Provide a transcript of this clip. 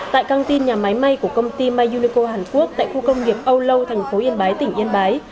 tại căng tin nhà máy may của công ty may unico hàn quốc tại khu công nghiệp âu lâu thành phố yên bái tỉnh yên bái